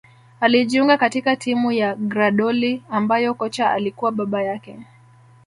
Alijiunga katika timu ya Grahdoli ambayo kocha alikuwa baba yake